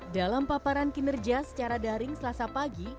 dalam paparan kinerja secara daring selasa pagi